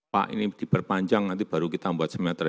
pak ini diperpanjang nanti baru kita buat simeter